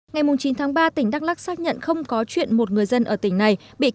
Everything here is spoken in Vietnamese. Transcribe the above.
ngày chín tháng ba tỉnh đắk lắc xác nhận không có chuyện một người dân ở tỉnh này bị cáo